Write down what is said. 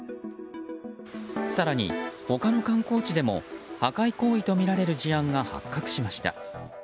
更に、他の観光地でも破壊行為とみられる事案が発覚しました。